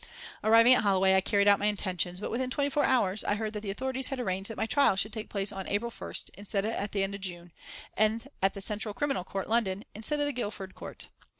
Arriving at Holloway I carried out my intention, but within twenty four hours I heard that the authorities had arranged that my trial should take place on April 1st, instead of at the end of June, and at the Central Criminal Court, London, instead of the Guildford Court.